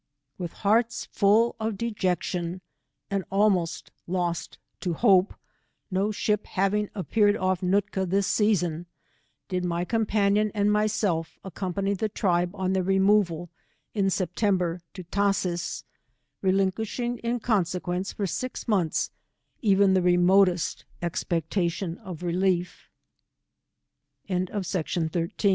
With hearts full of dejection and almost lost to hope, no ship having appeared off Nootka this season, did my companion and myself accompany the tribe on their removal in September, to Tashees, relinquishing in consequence, for six months, even the jemotest expectation of Teli